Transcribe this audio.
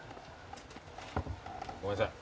ごめんなさい。